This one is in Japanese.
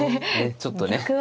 ちょっとね。